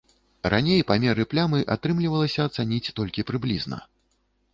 Раней памеры плямы атрымлівалася ацаніць толькі прыблізна.